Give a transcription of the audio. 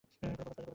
কেনো প্রপোজ করোনি?